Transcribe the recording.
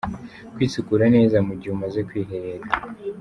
Kwisukura neza mu gihe umaze kwiherera.